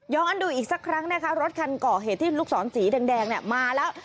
ย้อนดูอีกสักครั้งนะคะรถคันเกาะเหตุที่ลูกศรสีแดงมาแล้ว